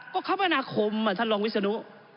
ก็คมนาคมท่านรองวิศนุ